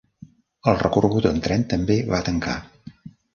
El recorregut en tren també va tancar.